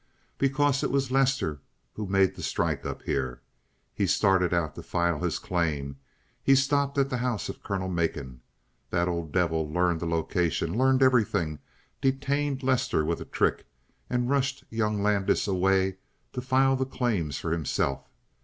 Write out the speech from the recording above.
Because it was Lester who made the strike up here. He started out to file his claim. He stopped at the house of Colonel Macon. That old devil learned the location, learned everything; detained Lester with a trick, and rushed young Landis away to file the claims for himself.